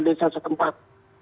di salah satu tempat